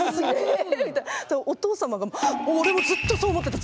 お父様が「俺もずっとそう思ってた！